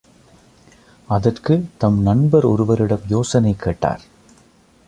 அதற்கு தம் நண்பர் ஒருவரிடம் யோசனை கேட்டார்.